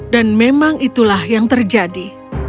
dan memang itulah yang terjadi